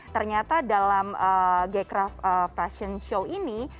ternyata dalam g craft fashion show ini